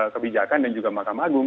kebijakan dan juga mahkamah agung